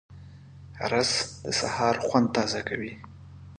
رس د سهار خوند تازه کوي